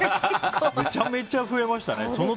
めちゃめちゃ増えましたね。